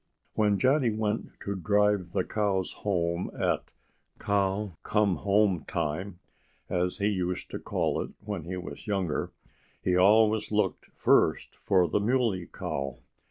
When Johnnie went to drive the cows home at "cow come home time," as he used to call it when he was younger, he always looked first for the Muley Cow.